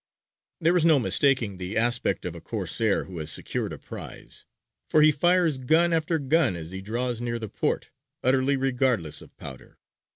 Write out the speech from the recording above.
There is no mistaking the aspect of a Corsair who has secured a prize: for he fires gun after gun as he draws near the port, utterly regardless of powder.